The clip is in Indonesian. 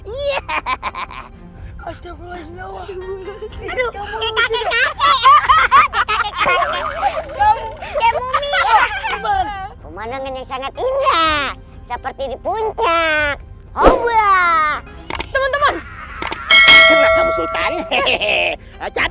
iya romhen yang sangat important seperti puncak wuloh teman teman shealam hollywood